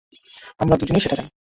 আমরা দুজনেই সেটা জানি।